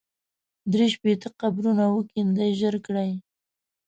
درې شپېته قبرونه وکېندئ ژر کړئ.